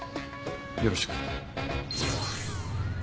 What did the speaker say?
よろしく。